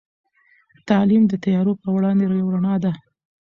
تعلیم د تيارو په وړاندې یوه رڼا ده.